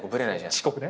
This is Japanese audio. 遅刻ね。